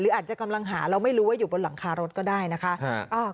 อาจจะกำลังหาเราไม่รู้ว่าอยู่บนหลังคารถก็ได้นะคะ